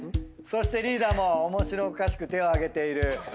そしてリーダーも面白おかしく手をあげている。